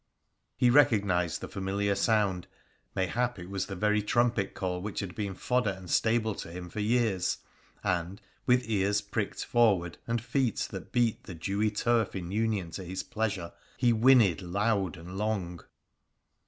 He recog nised the familiar sound — mayhap it was the very trumpet call which had been fodder and stable to him for years — and, with ears pricked forward and feet that beat the dewy turf in union to his pleasure, he whinnied loud and long